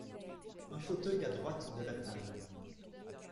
Un fauteuil à droite de la table.